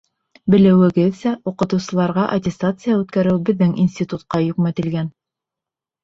Белеүегеҙсә, уҡытыусыларға аттестация үткәреү беҙҙең институтҡа йөкмәтелгән.